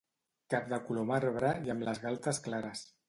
Cap de color marbre i amb les galtes clares.